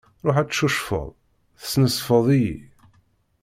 Ruḥ ad tcucfeḍ, tesnezfeḍ-iyi.